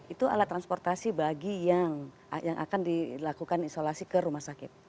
itu alat transportasi bagi yang akan dilakukan isolasi ke rumah sakit